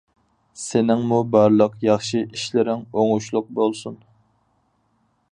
سېنىڭمۇ بارلىق ياخشى ئىشلىرىڭ ئوڭۇشلۇق بولسۇن.